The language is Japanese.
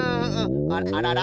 あららら？